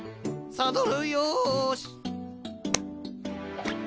サドルよし。